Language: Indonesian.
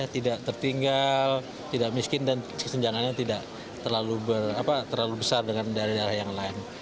tidak tertinggal tidak miskin dan kesenjangannya tidak terlalu besar dengan daerah daerah yang lain